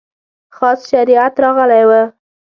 خاص شریعت راغلی و.